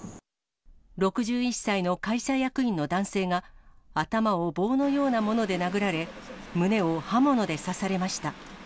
６１歳の会社役員の男性が、頭を棒のようなもので殴られ、胸を刃物で刺されました。